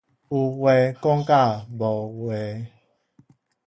有話講甲無話